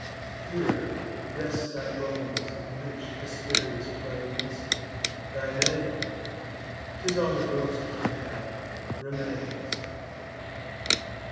Here rest thy bones in rich Hesperia's plains; Thy name ('tis all a ghost can have) remains.